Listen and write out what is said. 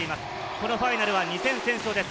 このファイナルは２戦先勝です。